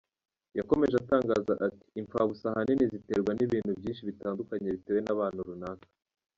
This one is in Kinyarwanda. Yakomeje atangaza ati “Imfabusa ahanini ziterwa n’ibintu byinshi bitandukanye bitewe n’abantu runaka.